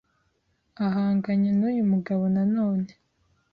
ahanganye n’uyu mugabo na none